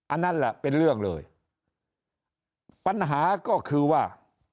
อันนั้นแหละเป็นเรื่องเลยปัญหาก็คือว่า